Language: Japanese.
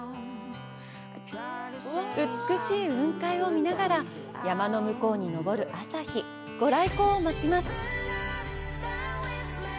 美しい雲海を見ながら、山の向こうに昇る朝日、ご来光を待ちます。